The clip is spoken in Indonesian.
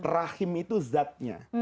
rahim itu zatnya